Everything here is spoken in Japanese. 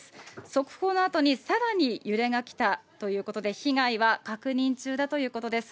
速報のあとに、さらに揺れが来たということで、被害は確認中だということです。